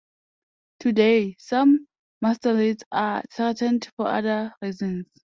Today, some mustelids are threatened for other reasons.